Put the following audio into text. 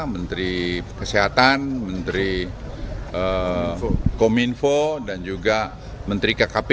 menteri kesehatan menteri kominfo dan juga menteri kkp